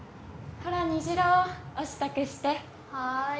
ほら虹朗お支度してはい